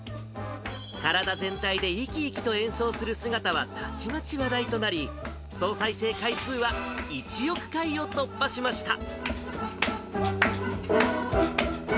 体全体で生き生きと演奏する姿はたちまち話題となり、総再生回数は１億回を突破しました。